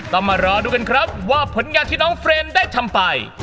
ต้องมารอดูกันครับว่าผลงานที่น้องเฟรมได้ทำไป